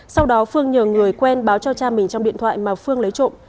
sau đó phương nhờ người quen báo cho cha mình trong điện thoại mà phương lấy trộm